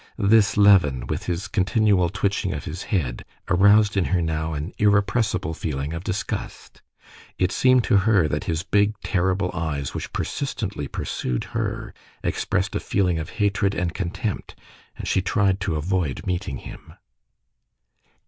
This Levin, with his continual twitching of his head, aroused in her now an irrepressible feeling of disgust. It seemed to her that his big, terrible eyes, which persistently pursued her, expressed a feeling of hatred and contempt, and she tried to avoid meeting him.